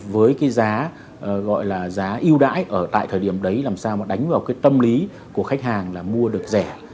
với cái giá gọi là giá yêu đãi ở tại thời điểm đấy làm sao mà đánh vào cái tâm lý của khách hàng là mua được rẻ